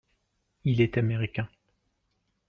Il est américain.